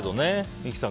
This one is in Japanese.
三木さん